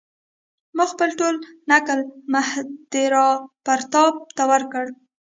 ما خپل ټول نکل مهیندراپراتاپ ته وکړ.